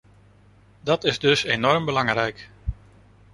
Dat is dus enorm belangrijk!